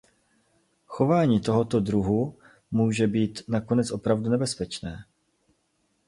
Chování tohoto druhu může být nakonec opravdu nebezpečné.